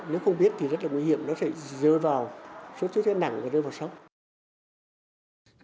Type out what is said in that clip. nếu không biết thì rất là nguy hiểm nó sẽ rơi vào sốt xuất huyết nặng và rơi vào sốc